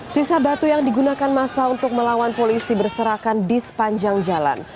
sisa batu yang digunakan masa untuk melawan polisi berserakan di sepanjang jalan